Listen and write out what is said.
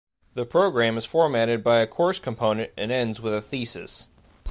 The program is formatted by a course component and ends with a thesis.